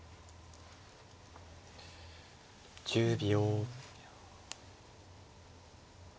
１０秒。